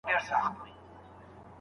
وئیل یې پرهرونه په هوا کله رغېږي